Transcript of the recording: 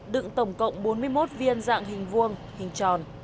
đựng tổng cộng bốn mươi một viên dạng hình vuông hình tròn